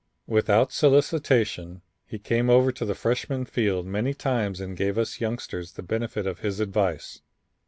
Without solicitation he came over to the Freshman field many times and gave us youngsters the benefit of his advice.